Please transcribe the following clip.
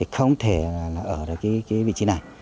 không thể ở được cái vị trí này